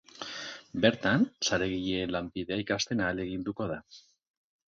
Bertan, saregileen lanbidea ikasten ahaleginduko da.